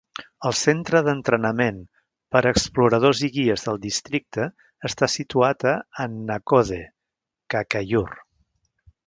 El centre d'entrenament per a exploradors i guies del districte està situat a Annakode, Kakkayur.